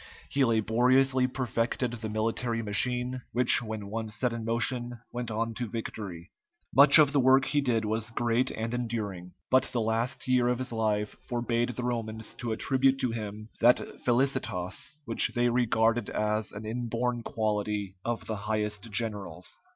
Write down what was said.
He laboriously perfected the military machine, which when once set in motion went on to victory. Much of the work he did was great and enduring, but the last year of his life forbade the Romans to attribute to him that felicitas which they regarded as an inborn quality of the highest generals.